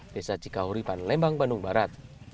desa cikauripan lembang bandung barat